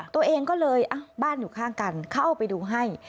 ตัวเองก็เลยบ้านอยู่ข้างกันเข้าไปดูให้